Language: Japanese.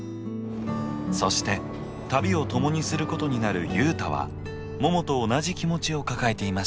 そして旅を共にすることになる雄太はももと同じ気持ちを抱えていました。